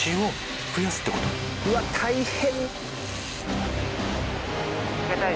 うわっ大変。